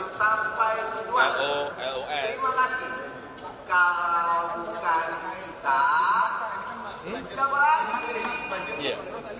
kalau bukan kita menjawab mencoba